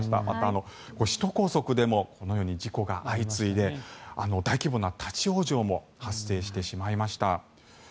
また、首都高速でもこのように事故が相次いで大規模な立ち往生も発生してしまいました。